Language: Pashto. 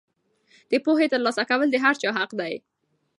د پوهې ترلاسه کول د هر چا حق دی.